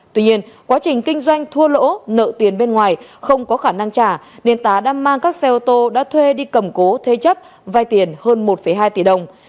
tuy nhiên quá trình kinh doanh thua lỗ nợ tiền bên ngoài không có khả năng trả nên tá đã mang các xe ô tô đã thuê đi cầm cố thế chấp vai tiền hơn một hai tỷ đồng